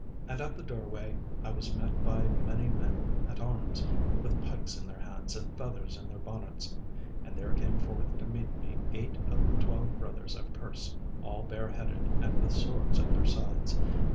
And at the doorway I was met by many men at arms, with pikes in their hands and feathers in their bonnets. And there came forth to meet me eight of the twelve brothers of Kerse, all bareheaded and with swords at their sides.